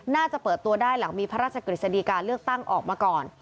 น่าจะเปิดตัวได้หลังมีพระราชกฤษฎีการเลือกตั้งออกมาก่อน